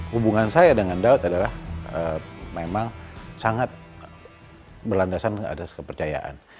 hubungan saya dengan daud adalah memang sangat berlandasan atas kepercayaan